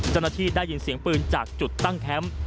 จันนาที่ได้ยินเสียงปืนจากจุดตั้งแค้ม